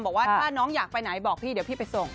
บอกว่าถ้าน้องอยากไปไหนบอกพี่เดี๋ยวพี่ไปส่ง